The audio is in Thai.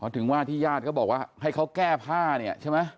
ถึงว่าที่ญาติเขาบอกว่าให้เขาแก้ผ้าเนี่ยใช่ไหม